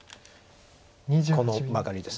このマガリです。